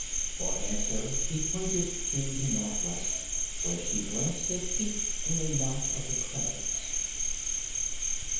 For answer he pointed to the northwest, where she glimpsed a peak in a notch of the crags.